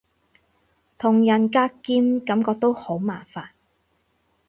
同人格劍感覺都好麻煩